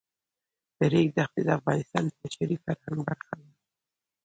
د ریګ دښتې د افغانستان د بشري فرهنګ برخه ده.